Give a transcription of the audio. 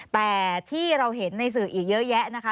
แต่ที่เราเห็นในสื่ออีกเยอะแยะนะคะ